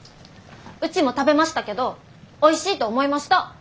うちも食べましたけどおいしいと思いました。